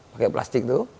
pakai plastik tuh